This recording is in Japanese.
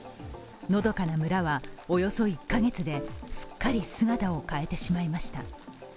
のどかな村はおよそ１カ月ですっかり姿を変えてしまいました。